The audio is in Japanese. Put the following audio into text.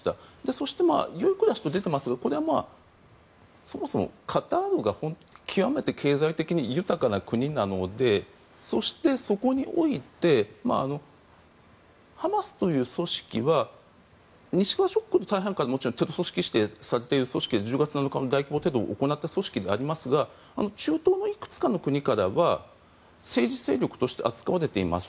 そしてよい暮らしと出ていますがこれはそもそもカタールが本当に極めて経済的に豊かな国なのでそして、そこにおいてハマスという組織は西側諸国の大半からはハマスというのは１０月７日の大規模テロを行った組織ではありますが中東のいくつかの国からは政治勢力として扱われています。